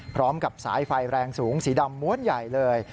พร้อมกับสายไฟแรงสูงสีดำม้วนใหญ่เลย